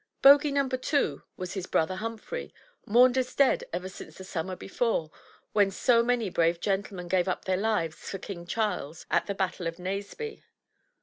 Bogie number two was his brother Humphrey, mourned as dead ever since the summer before, when so many brave gentlemen gave up their lives for King Charles at the battle of Naseby.